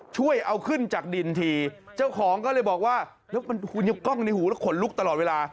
ช่วยเอาขึ้นจากดินทีเจ้าของก็เลยบอกว่าแล้วมันคุณยังกล้องในหูแล้วขนลุกตลอดเวลา